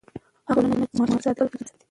هغه ټولنه چې ماشوم ساتي، خپل راتلونکی ساتي.